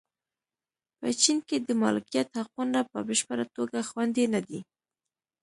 په چین کې د مالکیت حقونه په بشپړه توګه خوندي نه دي.